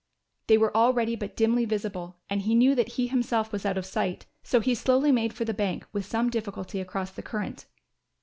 They were already but dimly visible and he knew that he himself was out of sight, so he slowly made for the bank with some difficulty across the current.